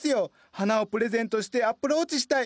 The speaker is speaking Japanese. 花をプレゼントしてアプローチしたい！